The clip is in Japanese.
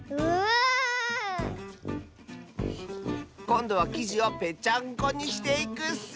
こんどはきじをぺちゃんこにしていくッス！